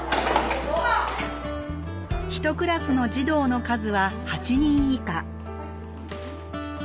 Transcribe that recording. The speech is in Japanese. １クラスの児童の数は８人以下。